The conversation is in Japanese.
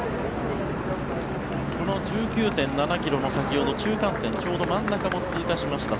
この１９．７ｋｍの先ほど中間点ちょうど真ん中を通過しました。